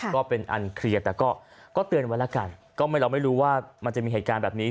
ก็เป็นอันเคลียร์แต่ก็เตือนไว้แล้วกันก็ไม่เราไม่รู้ว่ามันจะมีเหตุการณ์แบบนี้